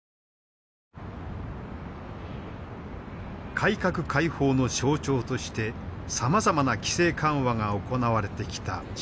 改革開放の象徴としてさまざまな規制緩和が行われてきた深。